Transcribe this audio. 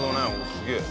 すげえ！